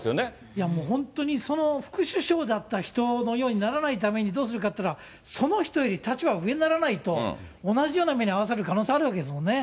本当に副首相だった人のようにならないためにどうするかっていったら、その人より立場、上にならないと、同じような目に遭わされる可能性あるわけですもんね。